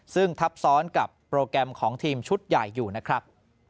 ซึ่งทับซ้อนกับโปรแกรมของทีมชุดใหญ่อยู่นะครับ